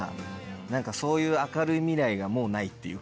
何かそういう明るい未来がもうないっていうか。